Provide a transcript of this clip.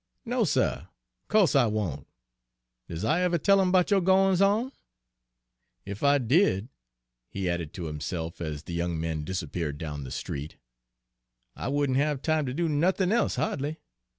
"No, suh, co'se I won't! Does I ever tell 'im 'bout yo' gwines on? Ef I did," he added to himself, as the young man disappeared down the street, "I wouldn' have time ter do nothin' e'se ha'dly.